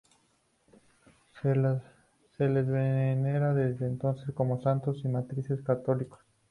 Se les venera desde entonces como santos y mártires católicos.